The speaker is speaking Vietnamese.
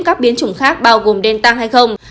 các biến chủng khác bao gồm delta hay không